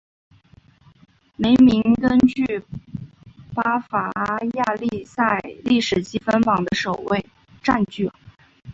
梅明根占据巴伐利亚联赛历史积分榜的首位。